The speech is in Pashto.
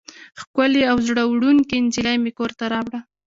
ښکلې او زړه وړونکې نجلۍ مې کور ته راوړه.